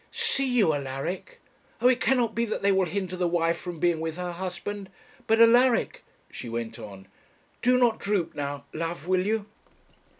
See you, Alaric; oh, it cannot be that they will hinder the wife from being with her husband. But, Alaric,' she went on, 'do not droop now, love will you?'